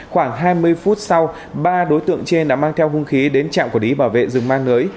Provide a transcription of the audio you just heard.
khoảng hai mươi phút sau ba đối tượng trên đã mang theo hung khí đến trạm quản lý bảo vệ rừng ma nới